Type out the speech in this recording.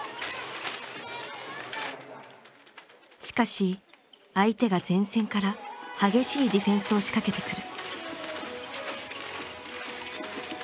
しかし相手が前線から激しいディフェンスを仕掛けてくる。